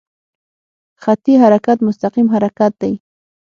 خطي حرکت مستقیم حرکت دی.